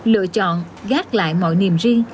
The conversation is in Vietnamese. lựa chọn gác lại mọi niềm ri